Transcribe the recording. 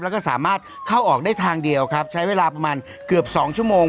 แล้วก็สามารถเข้าออกได้ทางเดียวครับใช้เวลาประมาณเกือบสองชั่วโมง